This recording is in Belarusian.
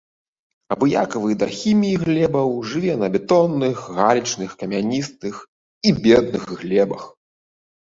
Абыякавы да хіміі глебаў, жыве на бетонных, галечных, камяністых і бедных глебах.